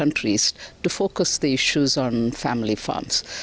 untuk menfokuskan masalah tentang family farms